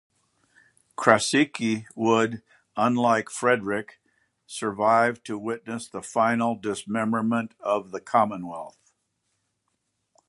Krasicki would, unlike Frederick, survive to witness the final dismemberment of the Commonwealth.